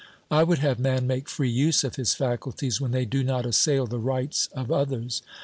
I would have man make free use of his faculties, when they do not assail the rights of others.